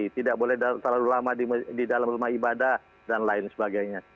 tidak boleh terlalu lama di dalam rumah ibadah dan lain sebagainya